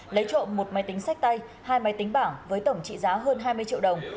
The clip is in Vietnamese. lấy trộm một máy tính sách tay hai máy tính bảng với tổng trị giá hơn hai mươi triệu đồng